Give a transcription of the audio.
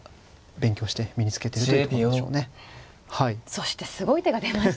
そしてすごい手が出ましたね。